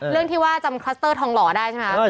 เรื่องที่ว่าจำคลัสเตอร์ทองหล่อได้ใช่ไหม